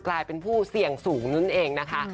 กลายเป็นผู้เสี่ยงสูงนั่นเองนะคะ